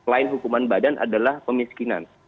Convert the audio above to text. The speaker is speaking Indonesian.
lain hukuman badan adalah pemiskinan